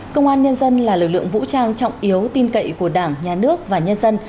công an nhân dân là lực lượng vũ trang trọng yếu tin cậy của đảng nhà nước và nhân dân